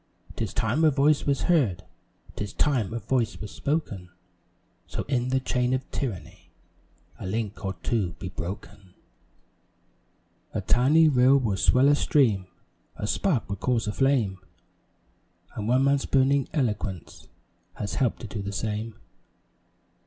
'Tis time a voice was heard, 'Tis time a voice was spoken So in the chain of tyranny A link or two be broken. A tiny rill will swell a stream, A spark will cause a flame, And one man's burning eloquence Has help'd to do the same.